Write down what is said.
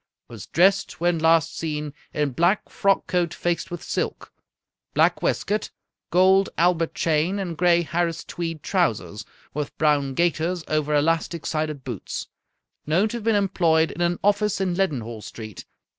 Was dressed, when last seen, in black frock coat faced with silk, black waistcoat, gold Albert chain, and gray Harris tweed trousers, with brown gaiters over elastic sided boots. Known to have been employed in an office in Leadenhall Street.